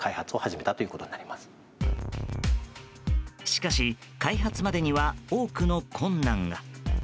しかし、開発までには多くの困難が。